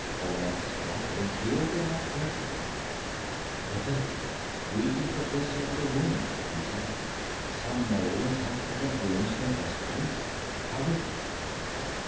Honath squatted and peeled it off carefully. "Mathild, we can put this over the wound," he said. "Some molds help prevent wounds from festering.... How is he?"